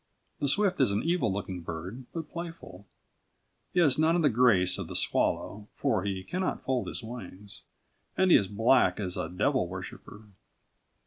The swift is an evil looking bird, but playful. He has none of the grace of the swallow, for he cannot fold his wings, and he is black as a devil worshipper.